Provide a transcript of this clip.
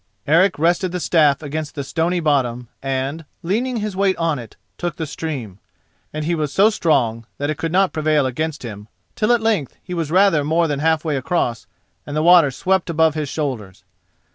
Eric rested the staff against the stony bottom and, leaning his weight on it, took the stream, and he was so strong that it could not prevail against him till at length he was rather more than half way across and the water swept above his shoulders.